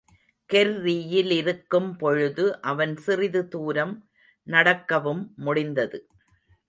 கெர்ரியிலிருக்கும் பொழுது அவன் சிறிது தூரம் நடக்கவும் முடிந்தது.